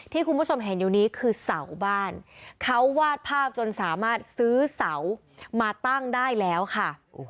ที่คุณผู้ชมเห็นอยู่นี้คือเสาบ้านเขาวาดภาพจนสามารถซื้อเสามาตั้งได้แล้วค่ะ